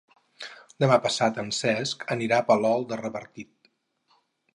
Demà passat en Cesc anirà a Palol de Revardit.